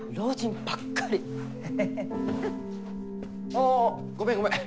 ああごめんごめん。